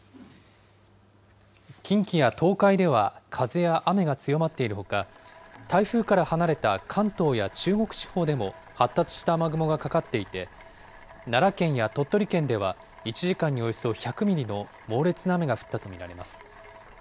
近畿や東海では風や雨が強まっているほか、台風から離れた関東や中国地方でも発達した雨雲がかかっていて、奈良県や鳥取県では、１時間におよそ１００ミリの猛烈な雨が降ったと見られます。